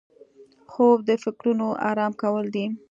خوب د فکرونو آرام کول دي